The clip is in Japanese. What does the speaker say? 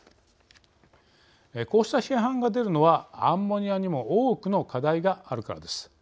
こうした批判が出るのはアンモニアにも多くの課題があるからです。